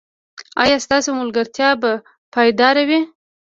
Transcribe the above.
ایا ستاسو ملګرتیا به پایداره وي؟